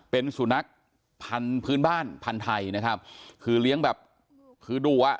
เป็นสุนัขพันธุ์พื้นบ้านพันธุ์ไทยนะครับคือเลี้ยงแบบคือดุอ่ะ